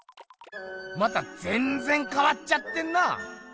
またぜんぜんかわっちゃってんなぁ！